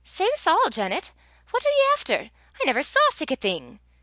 "Save 's a', Janet! what are ye efter? I never saw sic a thing!"